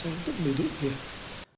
saya berulang ulang mencoba mengarahkan